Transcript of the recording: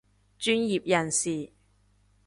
專業人士